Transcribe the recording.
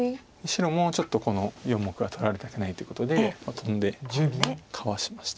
白もちょっとこの４目は取られたくないということでトンでかわしました。